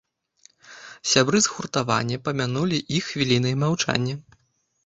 Сябры згуртавання памянулі іх хвілінай маўчання.